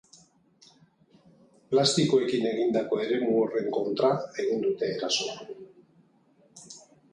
Plastikoekin egindako eremu horren kontra egin dute erasoa.